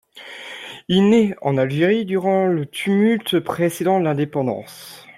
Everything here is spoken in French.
Il naît en Algérie durant le tumulte précédent l'indépendance.